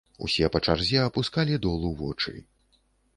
Усе па чарзе апускалі долу вочы.